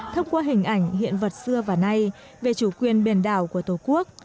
thông qua hình ảnh hiện vật xưa và nay về chủ quyền biển đảo của tổ quốc